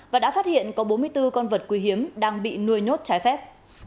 và đã phát hiện có bốn mươi bốn con vật quý hiếm đang bị nuôi nhốt trái phép